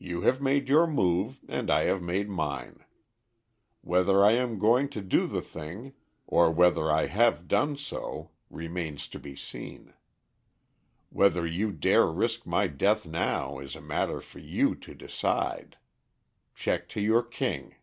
"You have made your move and I have made mine. Whether I am going to do the thing, or whether I have done so, remains to be seen. Whether you dare risk my death now is a matter for you to decide. Check to your king."